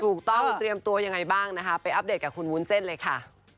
เตรียมตัวยังไงบ้างนะคะไปอัปเดตกับคุณวุ้นเส้นเลยค่ะ